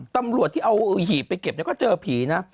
ตำรวจที่เอาหีบไปเก็บก็เจอผีนะ